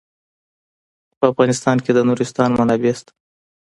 په افغانستان کې د نورستان منابع شته.